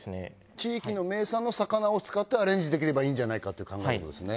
地域の名産の魚を使ってアレンジできればいいんじゃないかっていう考えってことですね。